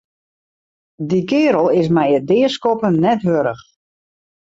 Dy keardel is my it deaskoppen net wurdich.